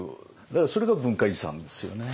だからそれが文化遺産ですよね。